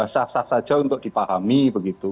sah sah saja untuk dipahami begitu